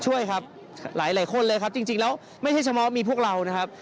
ช่วยครับหลายคนเลยครับจริงแล้วไม่ใช่เฉพาะมีพวกเรานะครับ